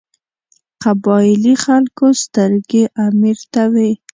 قبایلي خلکو سترګې امیر ته وې.